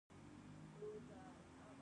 اسلامي کلتور په خبرو کې ښکاري.